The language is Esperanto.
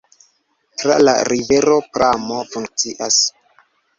Tra la rivero pramo funkcias.